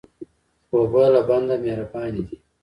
اوبه له بنده مهربانې دي.